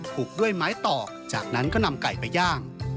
ผูกด้วยไม้ตอกจากนั้นก็นำไก่ไปย่าง